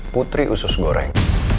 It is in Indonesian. putri usus goreng